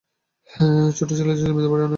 ছোট ছেলের জমিদার বাড়ি অনেক আগেই ধ্বংস হয়ে গেছে।